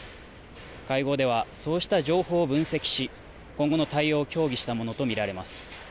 会合ではそうした情報を分析し、今後の対応を協議したものと見られます。